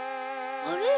あれ？